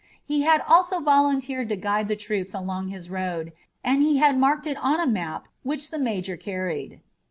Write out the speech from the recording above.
He had also volunteered to guide the troops along his road and he had marked it on a map which the major carried.